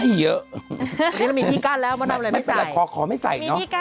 อันนี้เรามีพี่กั้นแล้วมานำอะไรไม่ใส่มีพี่กั้นแล้วนี่โอ๊ยขอไม่ใส่เนอะ